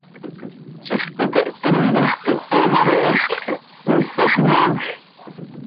Ziix coqueht tintica hax tiha ma, ihexl cah, iisax yaanj.